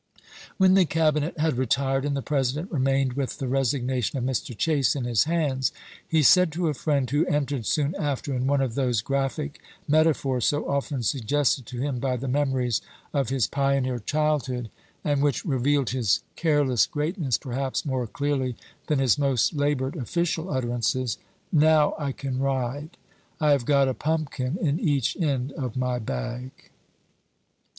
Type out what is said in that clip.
When the Cabinet had retired, and the President remained with the resignation of Mr. ira Harris Chase in his hands, he said to a friend who entered New York, soon after, in one of those graphic metaphors so often suggested to him by the memories of his pioneer childhood, and which revealed his careless great ness perhaps more clearly than his most labored official utterances, " Now I can ride ; I have got a pumpkin in each end of my bag."